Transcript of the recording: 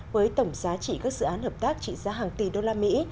với tổng giá trị các dự án hợp tác trị giá hàng tỷ đô la mỹ